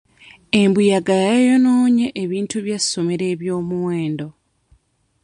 Embuyaga yayonoonye ebintu by'essomero eby'omuwendo.